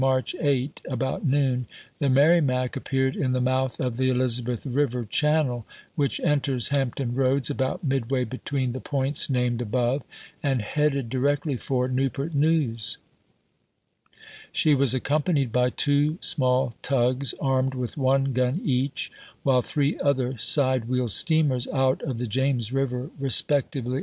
March 8, about noon, the Merrimac appeared in the mouth of the Elizabeth River channel, which enters Hampton Eoads about midway between the points named above, and headed directly for Newport News. She was accompanied by two small tugs armed with one gun each, while three other side wheel steamers out of the James River, respectively Welles to PauldiiiK, March 6, 18H2, and Welles to Murstou, Mareh 7, 1862.